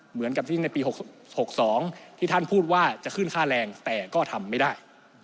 เหมือนกับที่ในปี๖๒ที่ท่านพูดว่าจะขึ้นค่าแรงแต่ก็ทำไม่ได้